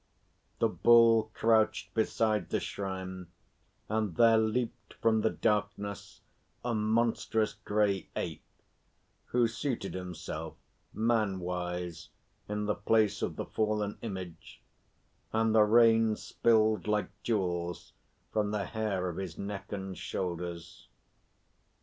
The Bull crouched beside the shrine, and there leaped from the darkness a monstrous grey Ape, who seated himself man wise in the place of the fallen image, and the rain spilled like jewels from the hair of his neck and shoulders.